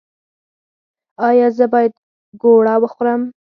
ایا زه باید ګوړه وخورم؟